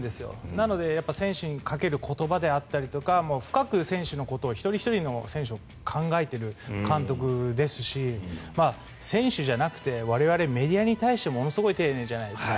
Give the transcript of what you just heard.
なので、選手にかける言葉であったりとか深く選手のこと一人ひとりのことを考えている監督ですし選手じゃなくて我々メディアに対してもものすごい丁寧じゃないですか。